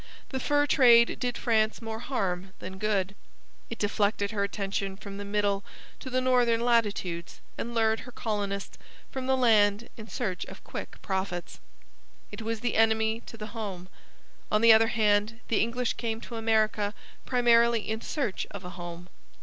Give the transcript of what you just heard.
The fur trade did France more harm than good. It deflected her attention from the middle to the northern latitudes and lured her colonists from the land in search of quick profits. It was the enemy to the home. On the other hand, the English came to America primarily in search of a home.